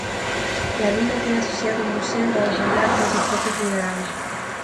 La mina tiene asociado un museo con ejemplares de sus propios minerales.